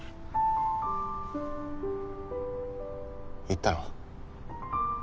言ったろ？